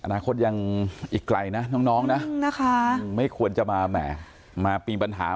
อนาคตยังอีกไกลนะน้องนะไม่ควรจะมาแหมมาปีปัญหา